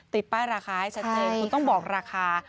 ติดป้ายราคาให้ชัดเจนคุณต้องบอกราคา